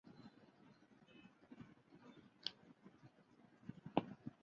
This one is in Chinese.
目前她已接受了完整的治疗并且成立癌症基金会。